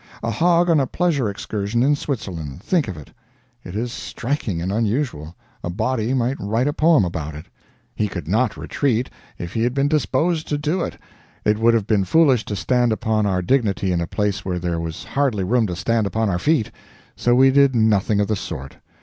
A hog on a pleasure excursion in Switzerland think of it! It is striking and unusual; a body might write a poem about it. He could not retreat, if he had been disposed to do it. It would have been foolish to stand upon our dignity in a place where there was hardly room to stand upon our feet, so we did nothing of the sort.